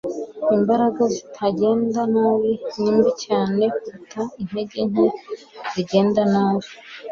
imbaraga zitagenda nabi ni mbi cyane kuruta intege nke zigenda nabi